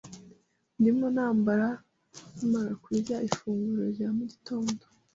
Ndimo nambara nkimara kurya ifunguro rya mu gitondo.